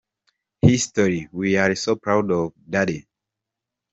History! We are so proud of you dad.